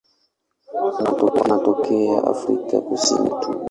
Wanatokea Afrika Kusini tu.